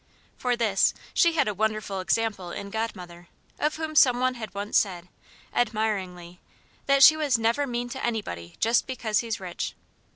For this, she had a wonderful example in Godmother of whom some one had once said, admiringly, that she was "never mean to anybody just because he's rich."